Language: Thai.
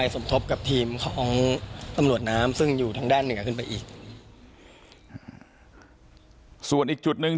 ส่วนอีกจุดนึง